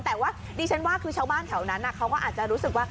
แต่ว่าดิฉันว่าคือชาวบ้านแถวนั้นเขาก็อาจจะรู้สึกว่า